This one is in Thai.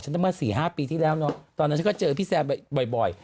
ฉันตั้งแต่เมื่อสี่ห้าปีที่แล้วเนอะตอนนั้นฉันก็เจอพี่แซมบ่อยบ่อย